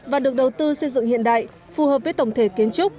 và được đầu tư xây dựng hiện đại phù hợp với tổng thể kiến trúc